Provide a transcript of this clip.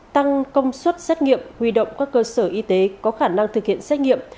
tăng công suất xét nghiệm huy động các cơ sở y tế có khả năng thực hiện xét nghiệm